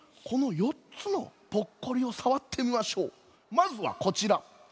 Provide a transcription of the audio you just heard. まずはこちら。